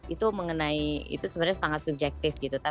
itu mengenai itu sebenarnya sangat subjektif gitu